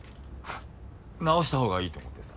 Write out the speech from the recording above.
直した方がいいと思ってさ。